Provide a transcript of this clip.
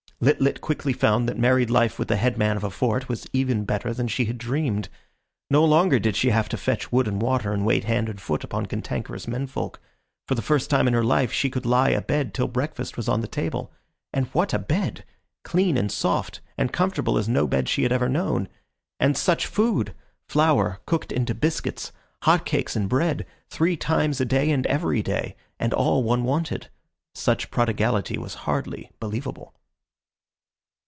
Lit lit quickly found that married life with the head man of a fort was even better than she had dreamed. No longer did she have to fetch wood and water and wait hand and foot upon cantankerous menfolk. For the first time in her life she could lie abed till breakfast was on the table. And what a bed! clean and soft, and comfortable as no bed she had ever known. And such food! Flour, cooked into biscuits, hot cakes and bread, three times a day and every day, and all one wanted! Such prodigality was hardly believable.